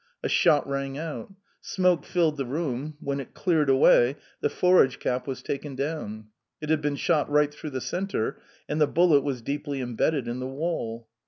A shot rang out. Smoke filled the room; when it cleared away, the forage cap was taken down. It had been shot right through the centre, and the bullet was deeply embedded in the wall.